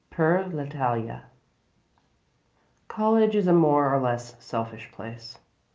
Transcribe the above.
X "Per l'Italia" College is a more or less selfish place.